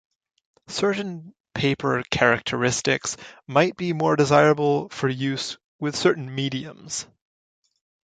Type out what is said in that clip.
Certain paper characteristics might be more desirable for use with certain mediums.